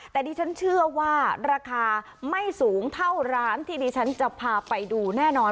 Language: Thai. แต่ดิฉันเชื่อว่าราคาไม่สูงเท่าร้านที่ดิฉันจะพาไปดูแน่นอน